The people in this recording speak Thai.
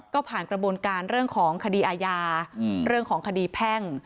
ก็ผ่านกระบวนการเรื่องของคดีอาญาเรื่องของคดีแพ่ง